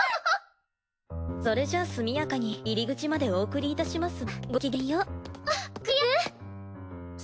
それじゃ速やかに入り口までお送りいたしますわ。